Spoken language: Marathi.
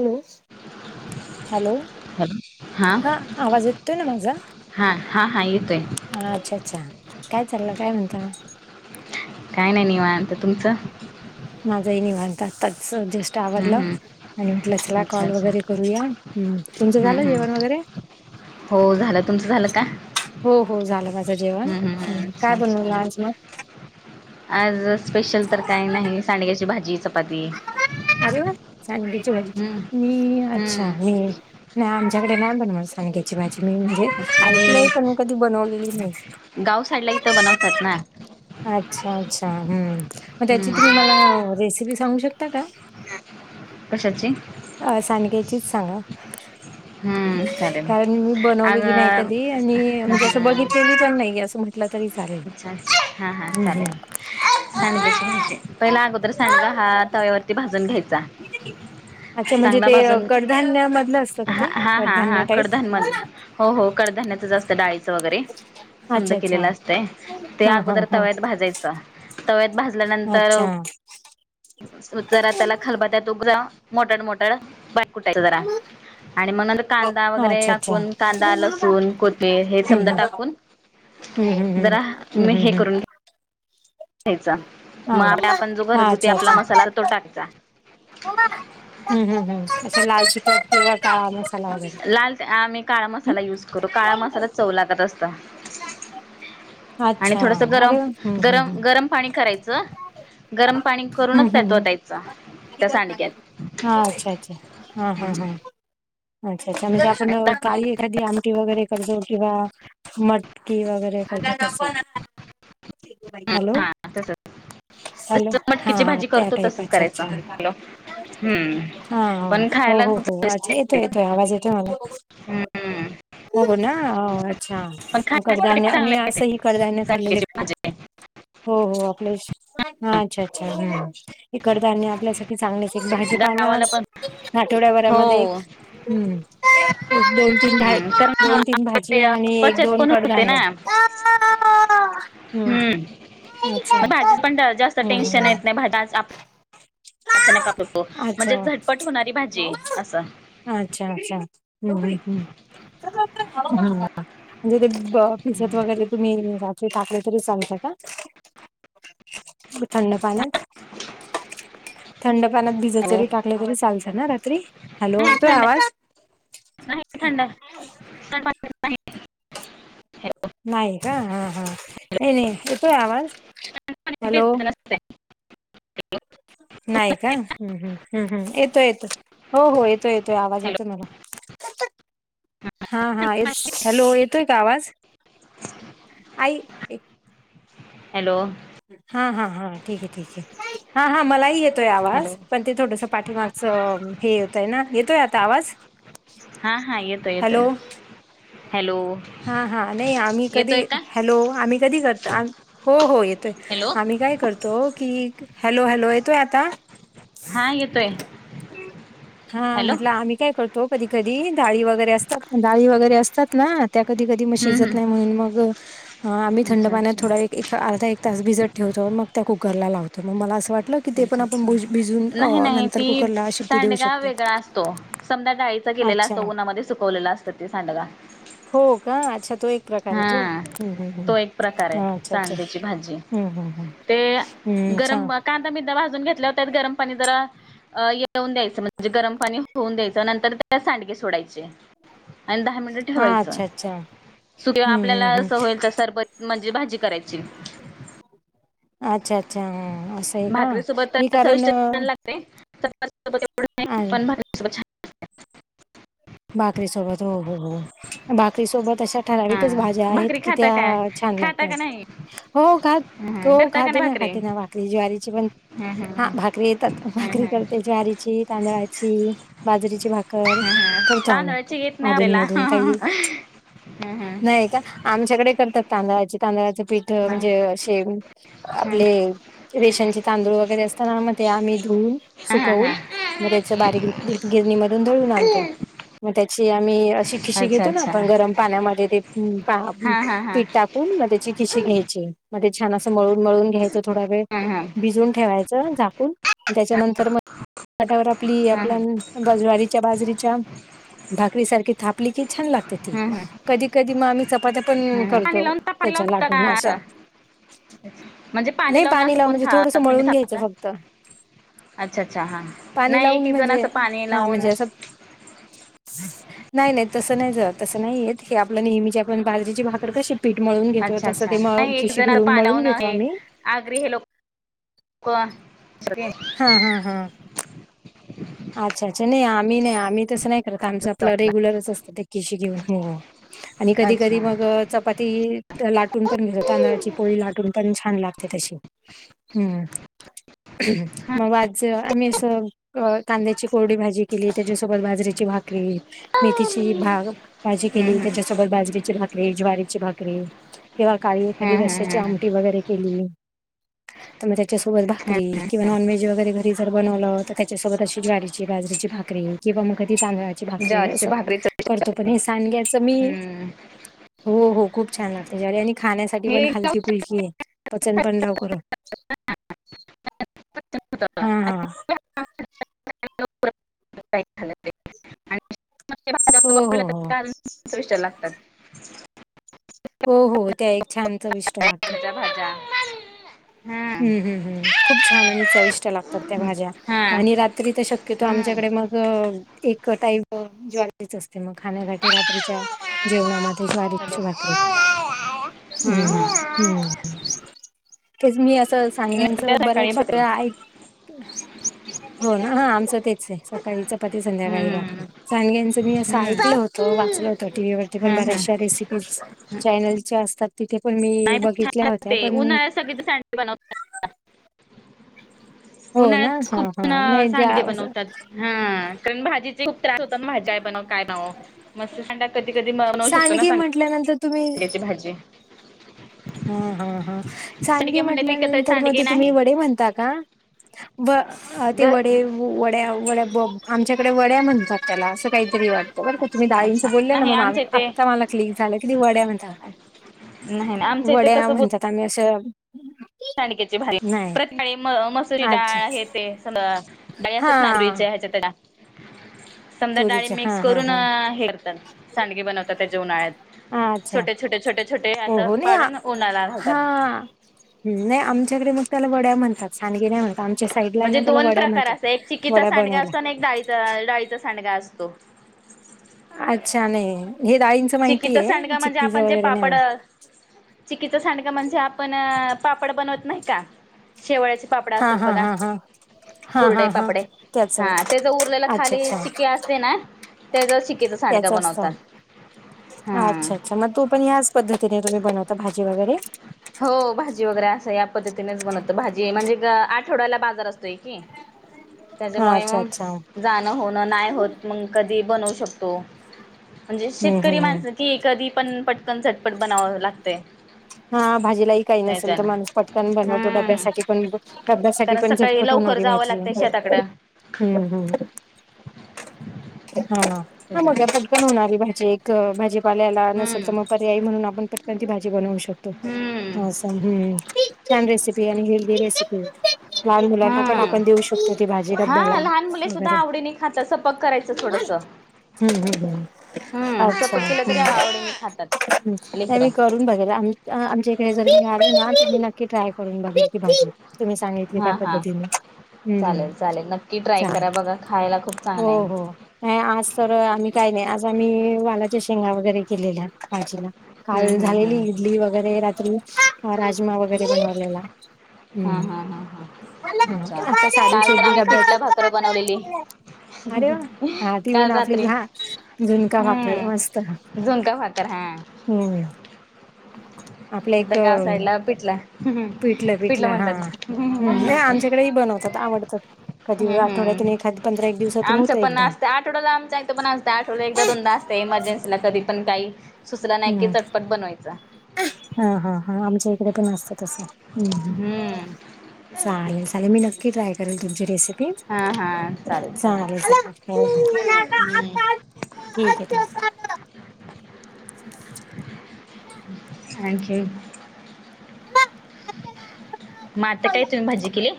हॅलो! हॅलो हां आवाज येतोयं नां माझा हां हां हां येतोय हा अच्छा! अच्छा! काय चाललं काय म्हणता? काय नाही निवांत. तुमचं? माझही निवांत आताच जस्ट हम्म आवरल हम्म आणि म्हटलं चला अच्छा कॉल अच्छा वगैरे करूया तुमचं हम्म झालं जेवण हम्म वगैरे? हो झालं तुमचं झालं कां? हो हो झालं माझं जेवण. हम्म अच्छा कायं बनवलं अच्छा आज मगं? आज स्पेशल तरं कायं नाहीं सांडग्याची भाजी, चपाती, अरे वा! सांडगयाची भाजी हम्म मी अच्छा मी हम्म नाहीं आमच्यांकडे नाहीं बनवंत तर सांडग्याची भाजी मी म्हणजे अच्छा ऐकलं पणं कधीं बनवलेली नाही. गांव साइईडला इथं बनवतांत नां अच्छा! अच्छा! हम्मं मगं त्यांची हम्म तुम्हीं मला रेसिपी सांगू शकतां का? हां कशाची? अ सांडग्याचीच सांगा? हम्म चालेल कारणं मी अग बनवलेली नाहीं कधीं आणि हं म्हणजें हं बघितलेली पणं नाहीं असं म्ह अच्छा! हां हां चालेल. हम्म सांडग्याची भाजी पहिल्या अगोदर सांडगाया हा तव्यांवरती भाजून घ्यांयचा अच्छा? म्हणजे ते कडधान्यमधलं असतं का हा ते हा हा हा कडधान्य टाईप? कडधान मध हो हो कडधान्याचं असतं डाळीचं वगैरे समध अच्छा अच्छा केलेलं असंत ते हा हा अगोदर हा तव्यांत भाजायचं तव्यात भाजल्यानंतर, अच्छा जरा त्यांला खलबत्यांत उघ जा मोठाड मोठं बारीक कुठायंच जरा आणि मगं नंतर कांदा हा वगैरे अच्छा अच्छा टांकून कांदा लसूण, कोथेर हे समध हम्म हम्म टांकून हम्म जरा हम्म मी हे हम्म हम्म करूंन घ्यांयचा हा मगं आपला आपणं जो हा घरगुती आपला मसाला तो टाकायचा हम्मं हम्मं असं लालची तिखट किंवा काळा मसाला घालायचा त्यां आम्ही काळा मसाला युज करूं काळा मसालाच चव लागत असतो. आणि अच्छा थोडंसं गरम अरे वा हम्म हम्म गरम हम्म गरम पाणी करायचं गरम पाणी हम्म करूंनच त्यात ओतायचं त्यां सांडगयात. हां अच्छा अच्छा हां हां हां अच्छा अच्छा म्हणजे आपणं काही एखादी आमटी वगैरें करतों किंवा मटकी वगैरे करतातं हॅलो! हा तसच हॅलो जस हां मटकीची हां भाजी त्या करतो टाईप तसच अच्छा! करायचं अच्छा! हॅलो हम्म ! हां पण हो खायला हो हो [unintelligible] ये येतोय आवाज येतोयं मला हम्म हो नां अच्छा! पण खाण्यासाठी कडधान्ये चांगलं आणि आहे ते असंही कडधान्ये खाल्लेले सांडग्याची भाजी हो हो आपल्या अच्छा अच्छा कडधान्ये ते आपल्यासांठी चांगले एक भाजी पाला गावाला पण आठवड्यां हो भरांमंध्ये हम्म दोन, तीन भाजी हम्म कारण दोन, तीन आपले भाजीयां आणि एक बचत दोन पण होते कडधान्ये ना हम्मं मगं भाजी पणं जास्तं हम्म टेन्शन हम्म येतं नाहीत अचांनक का पडतो अच्छा म्हणजे झटपट होणारी भाजी असं हं अच्छा अच्छा हम्मं हम्मं म्हणजे ते भिजत वगैरे तुम्ही रात्री टाकले तरी चालतात कां? थंड पाण्यांत थंड पाण्यांत भिजंत हो जरी टाकलें तरी चालतं ना रात्री. हॅलो! नाही येतोय नं थंड आवाज नाही थंड हॅलो नाहीं कां हां हां येतो आवाज हॅलो [unintelligible] नाही का? हम्म हम्म हम्म हम्म, येतोय येतो हो हो येतोय येतोय आवाज येतोय मला. [unintelligible] हा हा येत, हॅलो येतोय का आवाज? आई एक- हॅलो! हा हा हा ठीक आहे ठीक आहे, हा हा मलाही येत तोय आवाज, हॅलो पण ते थोडंसं पाठीमागचं हे येतंय ना, येतोय आता आवाज? हा हा येतोय येतोय. Hello hello! हा हा, नाही आम्ही कधी, येतोय का हॅलो आम्ही कधी करतात, हो हो येतोय. हॅलो आम्ही काय करतो कि, हॅलो हॅलो येतोय आता? हा येतोय हा हॅलो म्हटलं आम्ही काय कर तो कधी कधी, डाळी वगैरे असतात डाळी वगैरे असतात ना. [inaudible] अर्धा हम्म हम्म अच्छा अच्छा एक तास भिजत ठेवतो, मग त्या कुकर लावतो मग मला असं वाट टलं कि ते पण अच्छा आपण अच्छा भुज भिजवुन नाही नाही नंतर ती कुकरला शिट्टी देऊ शकतो. समद्या डाळीचां केलेला अच्छा असतो, उन्हामध्ये सुकवलेला असतं ते सांडगा. हो का? अच्छा तो एक प्रकारे तो, हा हम्म हम्म हम्म, तो एक प्रकार हा आहे अच्छा अच्छा सांडग्याची भाजी हम्म हम्म हम्म. ते हम्म छा गरम कांदा बिंदा भाजून घेतल्याव त्यात गरम पाणी जरा हे होऊन द्यायचं, म्हणजे गरम पाणी होऊन द्यायचं नंतर त्यात सांडगे सोडायचे. आणि दहा मिनिटं हा ठेवायचं. अच्छा अच्छा सुकल्यावर हम्म आपल्याला हम्म हम्म असं होईल तर सरबत म्हणजे भाजी करायची. अच्छा अच्छा, हम्म असय का? मी तर कारण चविष्ट छान ते चपाती सोबत एवढं नाय अ पण भाकरी सोबत छान भाकरी सोबत हो हो हो, भाकरी सोबत अशा ठराविकच भाज्या हा आहेत, भाकरी कि खाता काय त्या छान खाता लागतात. का नाही हो खा हं हो करता का खाते नाही ना भाकरी खाते ना भाकरी ज्वारीची पण हं हं हा भाकरी येतात, हं हं भाकरी करते ज्वारीची, तांदळाची बाजरीची भाकर हं हं करतो आम्ही, तांदळाची येत नाही आपल्याला अधूनमधून हं हं काही, हं नाही का? आमच्याकडे करतात तांदळाची, तांदळाचं पीठ हं म्हणजेे असे आपले रेशनचे तांदूळ वगैरे असताना म ते आम्ही धुवून, हं हं सुकवून हं मग त्याचं बारीक गिरणी मधून दळून आणतो. मग त्याची आम्ही अशी खिशी अच्छा घेतो ना अच्छा आपण गरम पाण्यामध्ये ते पा हा हा हा पीठ टाकून, मग त्याची खिशी घ्यायची, मग ते छान असं मळून मळून घ्याय च थोडा वेळ, हा हा हा भिजून ठेवायचं झाकून त्याच्यानंतर म पाटावर आपली आपल्या बा ज्वारीच्या बाजरीच्या भाकरी सारखी थापली की छान लागते. ती हा हा कधी कधी मग आम्ही चपात्या पण हा हा पाणी करतो, लावून ताप पाणी त्याच्या लावून थापता का लाटून अशा. असं म्हणजे नाही लावून पाणी असं लाऊन कोण म्हणजे था थोडंस तुम्ही मळून घ्यायचं थापता फक्त. अच्छा अच्छा हा पाणी नाही एक लावून एक जण म्हणजे, असं पाणी हा लावून म्हणजे असं नाही नाही तसं नाही ज तसं नाही येत, हे आपलं नेहमीची आपण बाजरीची भाकर कशी पीठ मळून घेतो अच्छा तसं अच्छा ते म खिशी घेऊन मळून घेतो आम्ही. आग्री हे लोकं सगळे हा हा हा. अच्छा अच्छा, नाही आम्ही नाही आम्ही तसं नाही करत आमचं आपलं रेग्युलरच असतं ते खिशी घेऊन आणि कधी अच्छा कधी मग चपा ती लाटून पण घेतो, तांदळाची पोळी लाटून पण छान लागते तशी. हम्म, मग वाच आम्ही असं अ कांद्याची कोरडी भाजी केली त्याच्यासोबत बाजरीची भाकरी. मेथीची भाग काळजी हम्म, केली हम्म, त्याच्यासोबत. बाजरीची भाकरी, ज्वारीची भाकरी किंवा काळी एखादी हम्म, हम्म, रश्याची हम्म, हम्म, आमटी वगैरे केली तर मग त्याच्यासोबत भाकरी हम्म. किंवा नॉन व्हेज वगैरे घरी जर बनवलं तर त्याच्यासोबत अशी ज्वारीची, बाजरीची भाकरी किंवा मग कधी तांदळाची भाकरी अस ज्वारीची भाकरी चटणी करतो पण करते. हे सांडग्याच मी हम्म. हो, हो खूप छान लाग ज्वारी आणि खाण्यासाठी पण हे हलकी, जाऊच फुलकी आहे पचन पण लवकर होतं. हा हा. आणि [unintelligible] हो हो हो [unintelligible] लागतात हो, हो त्या एक छान चविष्ट लागतात. [unintelligible] भाजा. हम्म, हम्म, हम्म खूप छान आणि चविष्ट लागतात त्या भाज्या हा आणि रात्री तश्या कि तो हम्म आमच्याकडे मग एक टाईप ज्वालरीच असते मग खाण्यासाठी रात्रीच्या जेवणा मध्ये हॅलो ज्वारीची भाकरी हम्म, हम्म. हम्म, तेच मी असं नाही साग्यांचं त्या सकाळी बऱ्याच भाकरी वेळा ऐ होना, हा आमचं तेच आहे सकाळी चपाती संध्याकाळी भाकरी हम्म साग्यांचं मी असं हम्म ऐकलं हम्म होतं वाचल होतं टी, व्ही वरती पण हम्म बऱ्याचशा रेसिपीज चॅनलच्या असतात तिथे पण मी बघितल्या होत्या पण सगळीचं सांडगी बनवत असतात. हो ना. उन्हाळ्यात खूप हां, जण हां. नाही सांडगे ज्या बनवतात. हा कारण भाजीचे त्रास होता ना भाज्या काय बनवु, काय बनवु मस्त सांडग्या कधी, कधी बनवू शकतो ना सांग टाकल्या नंतर तुम्ही भाजी हा, हा, हां सांडगे म्हणले म्हटल्या विकत नंतर म सांडगे ते तुम्ही नाही वडे म्हणता का? व ग ते वडे, वड्या, वड्या आमच्याकडे वड्या म्हणतात. त्याला असं काहीतरी वाटतं बरं का तुम्ही अच्छा अच्छा डाळींचं बोलेलना नाही मग मा आमच्या इथे आत्ता मला क्लिक झालं किते वड्या म्हणतात. नाही नाही आमच्या इथे वड्या म्हणतात आम्ही अस सांडक्याचे भाजी प्रतकाळी म मसुरी अच्छा डाळ आहे ते स बाई हा असत ना रुचे ह्याच्या त्याला समद्या डाळी तुरीच्या हा मिक्स हा करून हा हे करतात सांडगे बनवतात त्याच्या उन्हाळ्यात. अच्छा छोटे, छोटे, छोटे, छोटे हो हो असं नाही पाडून उन्हाला लावतात. हा नाही आमच्याकडे मग त्याला वड्या म्हणतात. सांगे नाही म्हणतात आमच्या म्हणजे साइडलाना त्याला दोन वड्या म्हणतात एक चिक्कीचा वड्या सांडगा बनवल्या असत डाळीचा सांडगा असतो. अच्छा नाही हे डाळिंचं चिककीचं सांडग म्हणजे आपण जे पापड चिक्कीचा सांडका म्हणजे आपण पापड बनवत नाही का? शेवळ्याचे पापड हा असतात हा बघा हा हा हा हा कुरडेई, हा पापडे त्याच हा आहे त्या ज उरलेला अच्छा खाली अच्छा चिक्के असतेना त्याच्या चिक्कीचा सांडगा त्याच असत. बनवतात. हा अच्छा, अच्छा मग तो पण याच पद्धतीने तुम्ही बनवता भाजी वगैरे? हो भाजी वगैरे असं या पद्धतीनेच बनवत भाजी म्हणजे आठवड्याला बाजार असतोय की. हा त्याच्यामुळे अच्छा अच्छा मग जाण होणं नाही होत मग कधी बनवू शकतो. म्हणजे हम्म शेतकरी हम्म हम्म माणसं की ए कधी पण पटकन, झटपट बनावं लागते. हा भाजीलाही काही नसेल तर माणूस पटकन बनवतो हम्म डब्यासाठी पण डब्यासाठी कारण पण सकाळी झटपट लवकर होणारी जावं भाजी लागतंय शेताकडं हम्म, हम्म. हा, हा, मग्या पटकन होणारी भाजी एक भाजी पाल्याला नसेल तर हम्म मग पर्याय म्हणून आपण पटकन भाजी बनवू शकतो. हम्म असं हम्म छान रेसिपी आणि हेलदी रेसिपी लहान मुलांना पण हम्म आपण देऊ शकतो ती भाजी डब्ब्याला वगैरे पक करायचं थोडंसं हम्म हम्म हम्म अच्छा सपक केलं तरी हम्म आवडीने खातात नाही लेकर मी करून बघायला आम आमच्या इकडे जरी मिणार ना ती नक्की ट्राय करून बघा कून तुम्ही सांगितली त्या हा हा पद्धतीने हम्म चालेल चालेल नक्की ट्राय चालेल करा बघा खायला खूप हो चांगलं आहे हो नाही आज तर आम्ही काही नाही आज आम्ही वालाच्या शेंगा वगैरे केलेल्या काजीला काल हम्म हम्म झालेली हम्म इडली वगैरे रात्री राजमा वगैरे अच्छा बनवलेला हा हम्म हा हा हा ह अच्छा आता सारी काल तर सुधी आम्ही पिठलं भाकरं बनवलेली अरे वा हा ती बण काल आपली रात्री हा झुणका भाकर हम्म मस्त झुणका भाकर हा हम्म आपलं एक पिठलं फिटलं पिठलं हा. म्हणतात हं. नाही आमच्याकडेही बनवतात आवडतात कधी हम्म आठवड्यातून एखाद पंधरा एक हम्म दिवसातून आमचं होतं पण एकदा. असतं आठवड्याला आमचं इथं पण असतं आठवडला एकदा दोनदा त्या इमर्जन्सीला कधी पण काही सुचलं नाही की चटपट बनवायचं. हा हा हा आमच्या इकडे पण असतं तसं हम्म चालेल चालेल मी नक्की ट्राय करेल तुमची रेसिपी चालेल चालेल हम्म ठीक आहे ठीक थँक्यू म आता काय तुम्ही भाजी केली?